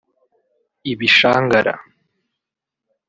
ibishangara